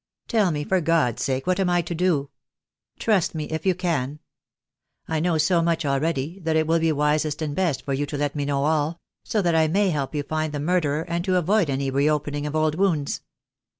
Tell me, for God's sake, what I am to do. Trust me, if you can. I know so much already that it will be wisest and best for you to let me know all — so that I may help you to find the murderer, and to avoid any reopening of old wounds."